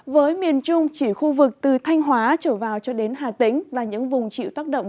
với miền trung chỉ khu vực từ thanh hóa trở vào cho đến hà tĩnh là những vùng chịu tác động